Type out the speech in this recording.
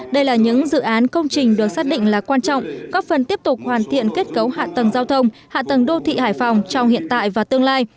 đây là những dự án công trình được xác định là quan trọng góp phần tiếp tục hoàn thiện kết cấu hạ tầng giao thông hạ tầng đô thị hải phòng trong hiện tại và tương lai